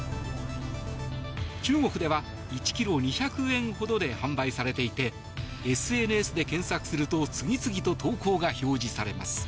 中国では１ｋｇ２００円ほどで販売されていてＳＮＳで検索すると次々と投稿が表示されます。